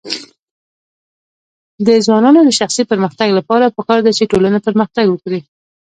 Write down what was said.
د ځوانانو د شخصي پرمختګ لپاره پکار ده چې ټولنه پرمختګ ورکړي.